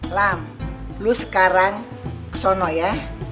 alam lu sekarang ke sono ya